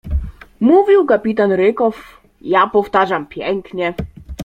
Mówił kapitan Rykow, ja powtarzam pięknie